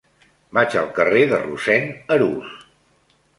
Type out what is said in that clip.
Vaig al carrer de Rossend Arús.